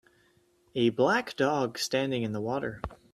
A black dog standing in the water.